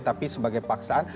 tapi sebagai paksaan